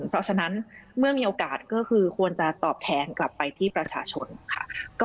เพราะฉะนั้นเมื่อมีโอกาสก็คือควรจะตอบแทนกลับไปที่ประชาชนค่ะ